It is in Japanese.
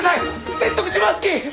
説得しますき！